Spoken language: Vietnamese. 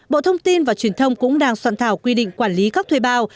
bộ thông tin và truyền thông cũng đang soạn thảo quy định quản lý các thuê bao